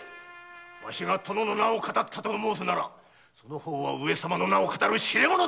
わしが殿の名を騙ったと申すならその方は上様の名を騙る痴れ者だ。